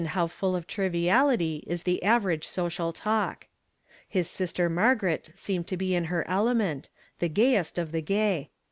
v, full of triviality is the average social talk. J I is sister Margaret seemed to be in her element, tlu gayest of the gay.